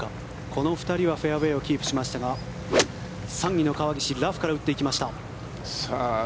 この２人はフェアウェーをキープしましたが３位の川岸ラフから打っていきました。